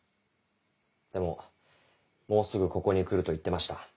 でももうすぐここに来ると言ってました。